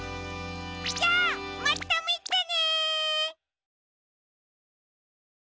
じゃあまたみてね！